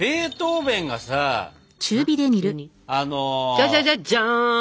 「ジャジャジャジャーン」